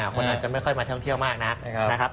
คนอาจจะไม่ค่อยมาท่องเที่ยวมากนักนะครับ